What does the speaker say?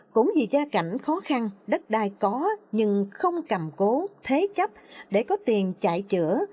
cũng vì gia cảnh khó khăn đất đai có nhưng không cầm cố thế chấp để có tiền chạy chữa